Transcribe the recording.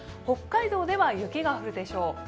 北海道では雪が降るでしょう。